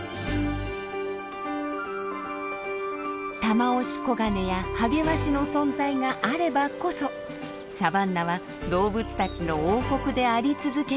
タマオシコガネやハゲワシの存在があればこそサバンナは動物たちの王国であり続けることができるのです。